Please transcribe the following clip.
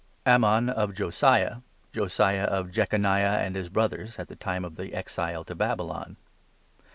Ammon of Josiah, Josiah of Jeconiah and his brothers, at the time II of the Exile to Babylon.